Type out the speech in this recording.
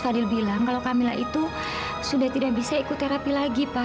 kalau itu beberapa kali kalau minj undang undang bakal nyata